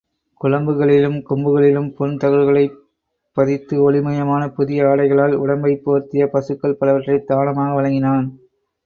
குளம்புகளிலும் கொம்புகளிலும் பொன் தகடுகளைப் பதித்து, ஒளிமயமான புதிய ஆடைகளால் உடம்பைப் போர்த்திய பசுக்கள் பலவற்றைத் தானமாக வழங்கினான்.